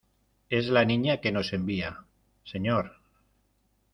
es la Niña que nos envía, señor...